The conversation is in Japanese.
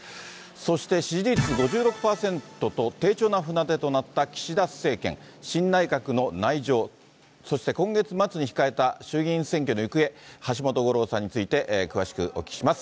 そして、支持率５６％と低調な船出となった岸田政権、新内閣の内情、そして今月末に控えた衆議院選挙の行方、橋本五郎さんについて詳しくお聞きします。